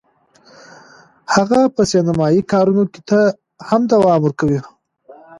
هغه به سینمایي کارونو ته هم دوام ورکوي